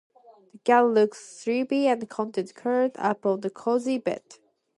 The cat looks sleepy and content, curled up on the cozy bed.